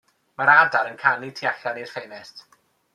Mae'r adar yn canu tu allan i'r ffenast.